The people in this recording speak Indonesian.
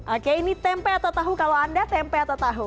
oke ini tempe atau tahu kalau anda tempe atau tahu